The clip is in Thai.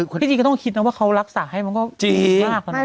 พี่จี๊ก็ต้องคิดนะว่าเขารักษาให้มันก็ดีมาก